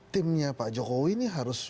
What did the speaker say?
timnya pak jokowi ini harus